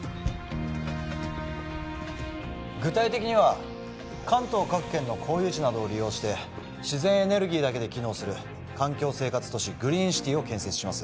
具体的には関東各県の公有地などを利用して自然エネルギーだけで機能する環境生活都市グリーンシティを建設します